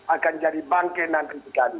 akan jadi bangke nanti dikali